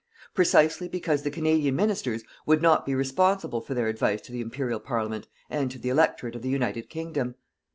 Precisely because the Canadian Ministers would not be responsible for their advice to the Imperial Parliament and to the electorate of the United Kingdom.